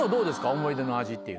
思い出の味っていうの。